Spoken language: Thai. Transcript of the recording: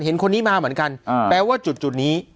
เห็นคนนี้มาเหมือนกันแปลว่าจุดนี้